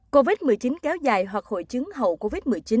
covid một mươi chín kéo dài hoặc hội chứng hậu covid một mươi chín